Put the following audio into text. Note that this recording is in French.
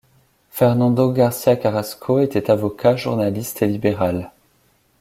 Fernando García Carrasco était avocat, journaliste et libéral.